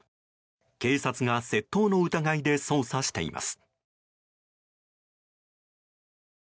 警察が窃盗の疑いで捜査しています。